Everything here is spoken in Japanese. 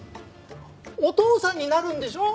お父さんになるんでしょう？